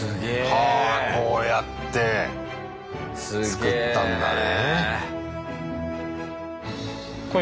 はぁこうやって作ったんだね。